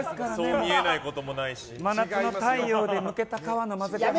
真夏の太陽でむけた皮の混ぜご飯です。